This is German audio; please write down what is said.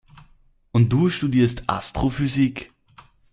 Und du studierst Astrophysik?